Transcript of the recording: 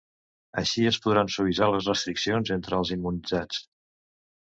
Així es podran suavitzar les restriccions entre els immunitzats.